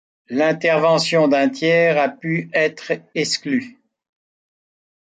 L’intervention d'un tiers a pu être exclue.